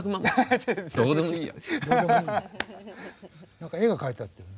何か絵が描いてあった。